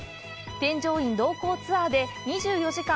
添乗員同行ツアーで２４時間